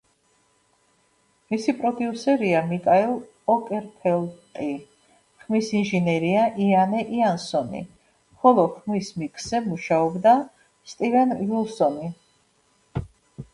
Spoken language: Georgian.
მისი პროდიუსერია მიკაელ ოკერფელდტი, ხმის ინჟინერია იანე იანსონი, ხოლო ხმის მიქსზე მუშაობდა სტივენ უილსონი.